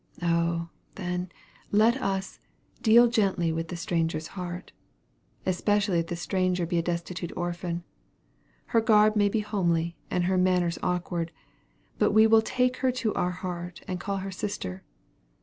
Oh, then, let us "Deal gently with the stranger's heart," especially if the stranger be a destitute orphan. Her garb may be homely, and her manners awkward; but we will take her to our heart, and call her sister.